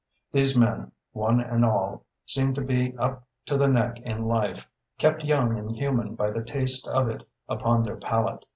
These men, one and all, seemed to be up to the neck in life, kept young and human by the taste of it upon their palate.